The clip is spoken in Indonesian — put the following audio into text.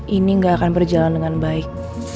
ini gak akan berjalan dengan baik